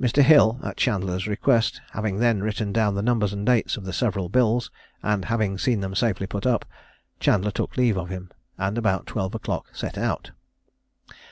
Mr. Hill, at Chandler's request, having then written down the numbers and dates of the several bills, and having seen them safely put up, Chandler took leave of him, and about twelve o'clock set out.